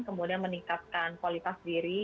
kemudian meningkatkan kualitas diri